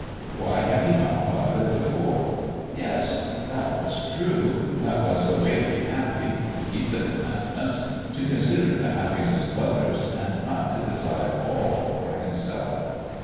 Why had he not thought of it before. Yes, that was true, that was the way to be happy to keep the Commandments to consider the happiness of others, and not to desire all for himself.